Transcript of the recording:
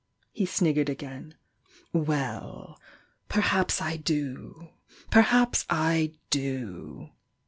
He sniggered again. "Well,— perhaps I do I— perhaps I do!